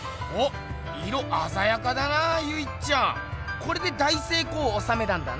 コレでだいせいこうをおさめたんだな？